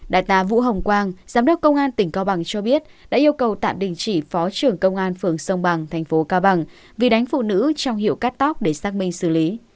đại tá vũ hồng quang giám đốc công an tỉnh cao bằng cho biết đã yêu cầu tạm đình chỉ phó trưởng công an phường sông bằng thành phố cao bằng vì đánh phụ nữ trong hiệu cát tóc để xác minh xử lý